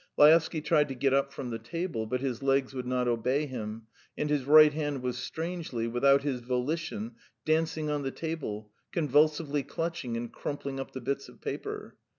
Laevsky tried to get up from the table, but his legs would not obey him and his right hand was strangely, without his volition, dancing on the table, convulsively clutching and crumpling up the bits of paper.